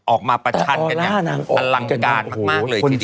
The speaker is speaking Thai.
ออกมาประชันกันอย่างอลังการมากเลยทีเดียว